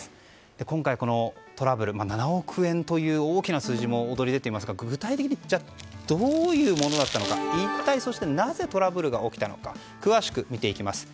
今回、このトラブル７億円という大きな数字も躍り出ていますが具体的にどういうものだったのか一体なぜトラブルが起きたのか詳しく見ていきます。